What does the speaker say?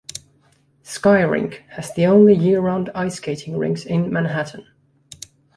Sky Rink has the only year-round ice skating rinks in Manhattan.